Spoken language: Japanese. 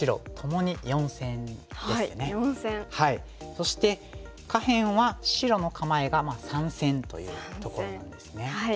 そして下辺は白の構えが三線というところなんですね。